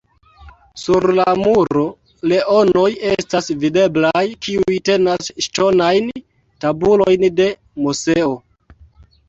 Sur la muro leonoj estas videblaj, kiuj tenas ŝtonajn tabulojn de Moseo.